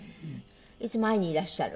いつも会いにいらっしゃる？